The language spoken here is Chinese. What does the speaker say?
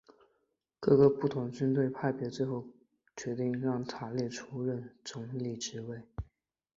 各个不同军队派别最后决定让塔列布出任总理职。